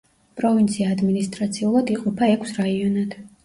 პროვინცია ადმინისტრაციულად იყოფა ექვს რაიონად.